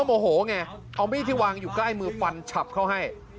ไม่ค่อยชอบหน้ากัน